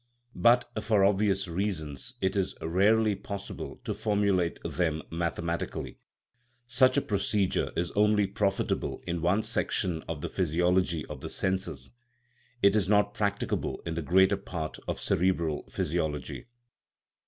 But, for obvious reasons, it is rarely pos sible to formulate them mathematically. Such a pro cedure is only profitable in one section of the physiology of the senses ; it is not practicable in the greater part of cerebral physiology.